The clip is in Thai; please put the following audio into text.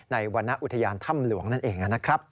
ในวรรณอุทยานถ้ำหลวงนั่นเอง